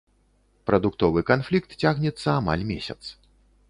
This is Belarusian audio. Прадуктовы канфлікт цягнецца амаль месяц.